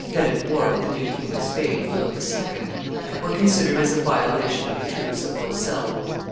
then at war with the new King of Spain, Philip II., were considered as a violation of the truce of Vaucelles.